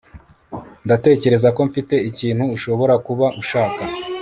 ndatekereza ko mfite ikintu ushobora kuba ushaka